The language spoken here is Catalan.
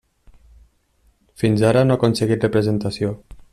Fins ara no ha aconseguit representació.